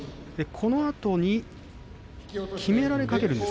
このあとにきめられかけるんです